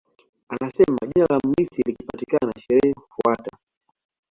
Anasema jina la mrithi likipatikana sherehe hufuatia